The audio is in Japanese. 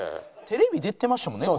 テレビ出てましたもんね